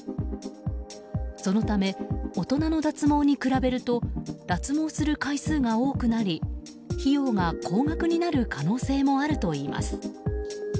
そのため、大人の脱毛に比べると脱毛する回数が多くなり費用が高額になる可能性もあるといいます。